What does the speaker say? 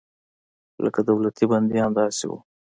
لکه دولتي بندیان داسې وو.